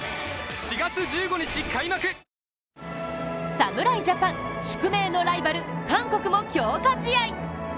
侍ジャパン、宿命のライバル韓国も強化試合。